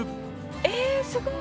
えすごい。